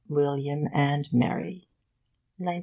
WILLIAM AND MARY 1920.